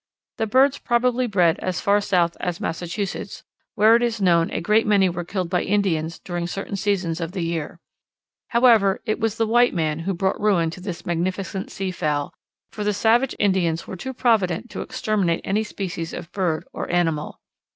The birds probably bred as far south as Massachusetts, where it is known a great many were killed by Indians during certain seasons of the year. However, it was the white man who brought ruin to this magnificent sea fowl, for the savage Indians were too provident to exterminate any species of bird or animal.